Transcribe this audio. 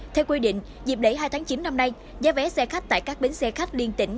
theo quy định dịp đẩy hai tháng chín năm nay giá vé xe khách tại các bến xe khách liên tỉnh